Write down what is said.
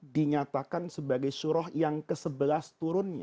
dinyatakan sebagai surah yang kesebelas turunnya